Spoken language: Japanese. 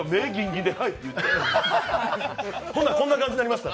ほんな、こんな感じになりました。